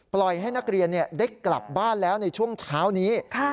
ปล่อยให้นักเรียนได้กลับบ้านแล้วในช่วงเช้านี้